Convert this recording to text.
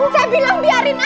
saya bilang biarin aja